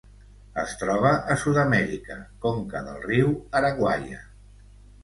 Es troba a Sud-amèrica: conca del riu Araguaia.